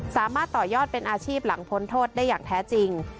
สามารถต่อยอดเป็นอาชีพหลังพ้นโทษได้อย่างแท้จริง